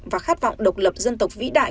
và khát vọng độc lập dân tộc vĩ đại